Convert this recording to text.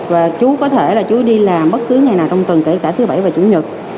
và chú có thể là chú đi làm bất cứ ngày nào trong tuần kể cả thứ bảy và chủ nhật